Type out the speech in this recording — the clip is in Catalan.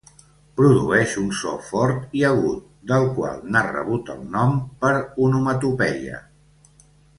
Produeix un so fort i agut, del qual n'ha rebut el nom, per onomatopeia.